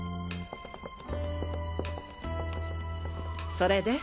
それで？